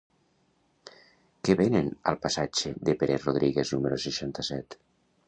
Què venen al passatge de Pere Rodríguez número seixanta-set?